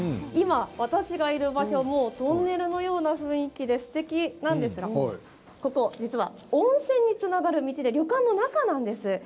今、私がいる場所もトンネルのような雰囲気ですてきなんですがここ実は温泉につながる道で旅館の中なんです。